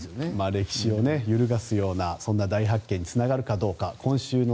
歴史を揺るがすようなそんな大発見につながるかどうか。